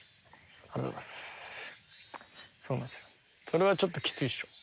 それはちょっときついっしょ。